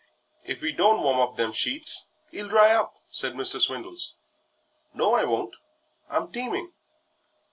"If we don't warm up them sheets 'e'll dry up," said Mr. Swindles. "No, I won't; I'm teeming."